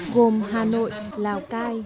gồm hà nội lào cai